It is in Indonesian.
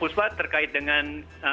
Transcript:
ya bahwa terkait dengan